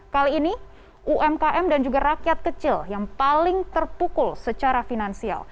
kali ini umkm dan juga rakyat kecil yang paling terpukul secara finansial